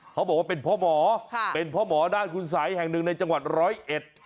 เขาบอกว่าเป็นพ่อหมอค่ะเป็นพ่อหมอด้านคุณสัยแห่งหนึ่งในจังหวัดร้อยเอ็ด